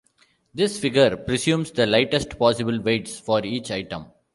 This figure presumes the lightest possible weights for each item.